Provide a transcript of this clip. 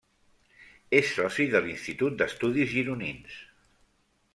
És soci de l'Institut d’Estudis Gironins.